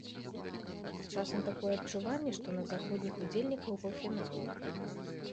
Часам такое адчуванне, што на заходніх удзельнікаў паўфіналаў.